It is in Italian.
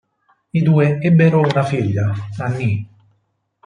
I due ebbero una figlia, Annie.